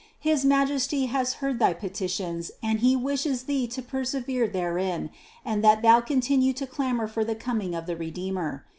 His Majesty has heard thy petitions and He wishes thee to persevere therein and that thou continue to clamor for the coming of the Redeemer.